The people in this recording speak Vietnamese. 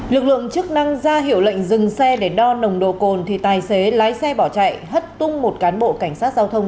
lực lượng chức năng ra hiệu lệnh dừng xe để đo nồng độ cồn thì tài xế lái xe bỏ chạy hất tung một cán bộ cảnh sát giao thông